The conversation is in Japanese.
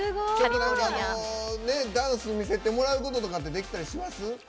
ダンス見せてもらうこととかってできたりします？